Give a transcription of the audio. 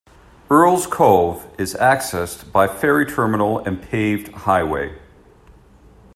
Earls Cove is accessed by ferry terminal and paved highway.